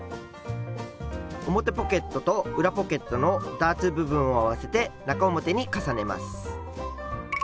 表ポケットと裏ポケットのダーツ部分を合わせて中表に重ねます。